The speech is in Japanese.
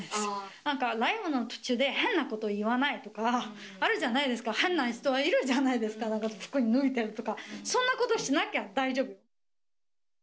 なんか、ライブの途中で変なこと言わないとか、あるじゃないですか、変な人いるじゃないですか、服脱いだりとか、そんなことしなきゃ大丈夫。